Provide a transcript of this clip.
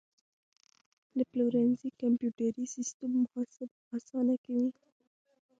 د پلورنځي کمپیوټري سیستم محاسبه اسانه کوي.